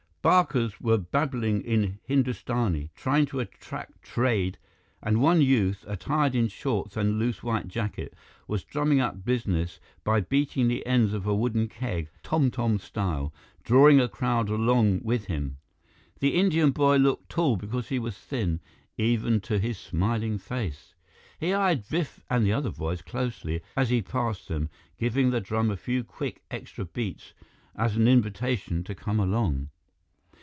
Barkers were babbling in Hindustani, trying to attract trade and one youth, attired in shorts and loose white jacket, was drumming up business by beating the ends of a wooden keg, tom tom style, drawing a crowd along with him. The Indian boy looked tall because he was thin, even to his smiling face. He eyed Biff and the other boys closely as he passed them, giving the drum a few quick, extra beats as an invitation to come along.